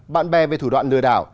bạn bè về thủ đoạn lừa đảo